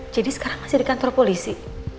jadi sekarang masih di kantor polisi